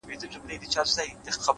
هوښیار انسان د اورېدو فرصت نه بایلي,